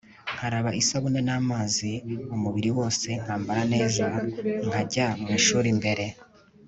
nkaraba isabune n'amazi umubiri wose nkambara neza, nkajya mu ishuri mbere